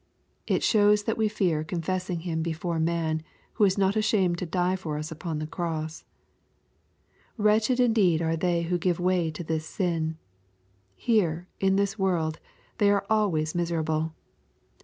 It shows that we fear confessing Him before man who was not ashamed to die for us upon the cross. Wretched indeed are they who give way to this sin. Here, in this world, they are always miserable.